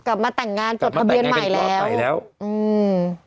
กลับมาแต่งงานจดทะเบียนใหม่แล้วอืมกลับมาแต่งงานจดทะเบียนใหม่แล้ว